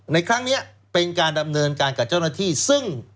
ในครั้งนี้เป็นการดำเนินการกับเจ้าหน้าที่ซึ่ง